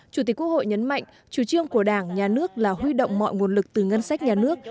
chủ tịch quốc hội nhấn mạnh chủ trương của đảng nhà nước là huy động mọi nguồn lực từ ngân sách nhà nước